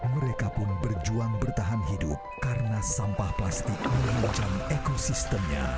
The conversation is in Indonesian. mereka pun berjuang bertahan hidup karena sampah plastik mengancam ekosistemnya